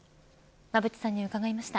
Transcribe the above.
馬渕さんに伺いました。